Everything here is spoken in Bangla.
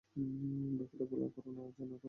ব্যাপারটা ঘোলা করো না, জানো কার কোম্পানি?